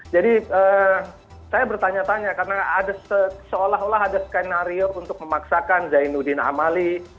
jadi saya bertanya tanya karena ada seolah olah ada skenario untuk memaksakan zainuddin amali